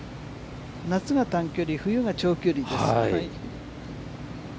夏が短距離、冬が長距離です。